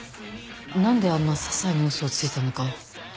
何であんなささいなウソをついたのか。